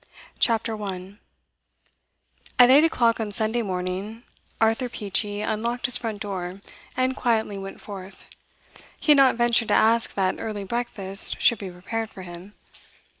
Lord CHAPTER 1 At eight o'clock on Sunday morning, Arthur Peachey unlocked his front door, and quietly went forth. He had not ventured to ask that early breakfast should be prepared for him.